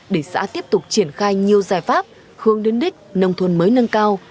để xã tiếp tục triển khai nhiều giải pháp hướng đến đích nông thôn mới nâng cao